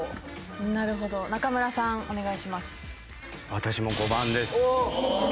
私も５番です。